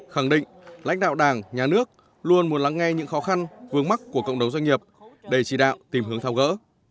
khẳng định lãnh đạo đảng nhà nước luôn muốn lắng nghe những khó khăn vướng mắt của cộng đồng doanh nghiệp để chỉ đạo tìm hướng thao gỡ